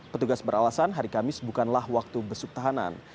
petugas beralasan hari kamis bukanlah waktu besuk tahanan